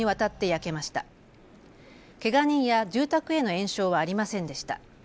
けが人や住宅への延焼はありませんでした。